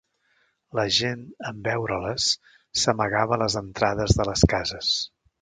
La gent en veure-les s'amagava a les entrades de les cases.